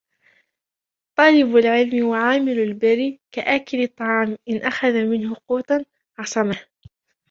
طَالِبُ الْعِلْمِ وَعَامِلُ الْبِرِّ كَآكِلِ الطَّعَامِ إنْ أَخَذَ مِنْهُ قُوتًا عَصَمَهُ